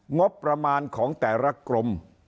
งบประมาณของแต่ละกรม